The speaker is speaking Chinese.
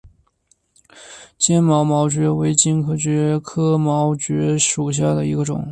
锐尖毛蕨为金星蕨科毛蕨属下的一个种。